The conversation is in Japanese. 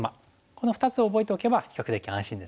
この２つを覚えておけば比較的安心ですね。